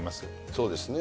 そうですね。